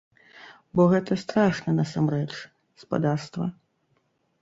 Бо гэта страшна насамрэч, спадарства.